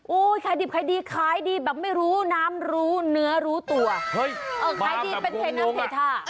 ขายดิบขายดีขายดีแบบไม่รู้น้ำรู้เนื้อรู้ตัวเฮ้ยเออขายดีเป็นเทน้ำเททา